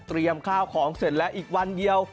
ข้าวของเสร็จแล้วอีกวันเดียว